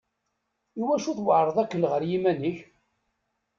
Iwacu tweεreḍ akken ɣer yiman-ik?